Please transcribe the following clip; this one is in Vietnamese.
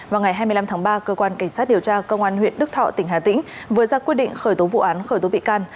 vào ngày hai mươi năm tháng ba cơ quan cảnh sát điều tra công an huyện đức thọ tỉnh hà tĩnh vừa ra quyết định khởi tố vụ án khởi tố bị can